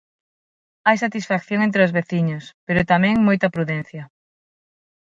Hai satisfacción entre os veciños, pero tamén moita prudencia.